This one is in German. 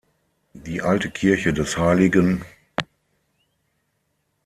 Die alte Kirche des hl.